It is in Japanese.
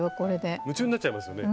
夢中になっちゃいますよね。